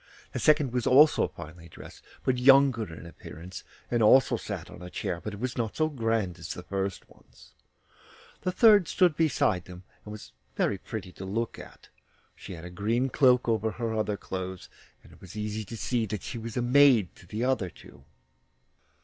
The second was also finely dressed, but younger in appearance, and also sat on a chair, but it was not so grand as the first one's. The third stood beside them, and was very pretty to look at; she had a green cloak over her other clothes, and it was easy to see that she was maid to the other two.